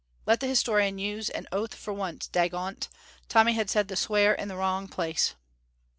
Let the historian use an oath for once; dagont, Tommy had said the swear in the wrong place!